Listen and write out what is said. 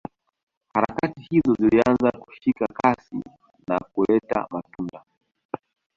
Harakati hizo zilianza kushika kasi na kuleta matunda